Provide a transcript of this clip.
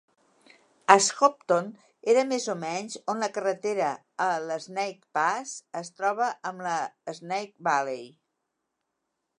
Ashopton era més o menys on la carretera a l'Snake Pass es troba amb la Snake Valley.